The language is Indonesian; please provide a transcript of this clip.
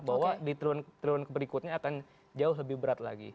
bahwa di triulang ke tiga akan jauh lebih berat lagi